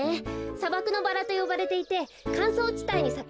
さばくのバラとよばれていてかんそうちたいにさく。